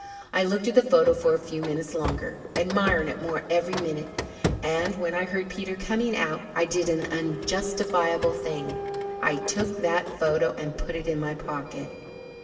I looked at the photo for a few minutes longer, admiring it more every minute and, when I heard Peter coming out, I did an unjustifiable thing I took that photo and put it in my pocket.